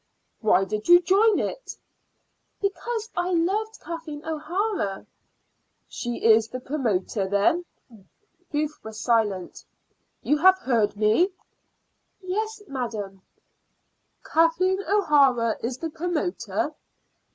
"Why did you join it?" "Because I loved Kathleen O'Hara." "She is the promoter, then?" Ruth was silent. "You have heard me?" "Yes, madam." "Kathleen O'Hara is the promoter?"